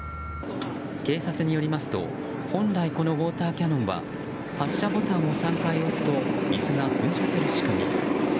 警察によりますと本来、このウォーターキャノンは発射ボタンを３回押すと水が噴射する仕組み。